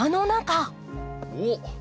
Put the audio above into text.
おっ！